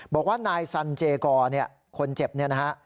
บอกว่านายสันเจกอร์เนี่ยคนเจ็บเนี่ยนะฮะ